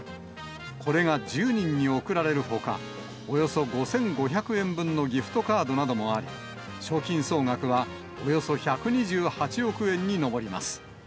これが１０人に贈られるほか、およそ５５００円分のギフトカードなどもあり、賞金総額はおよそ１２８億円に上ります。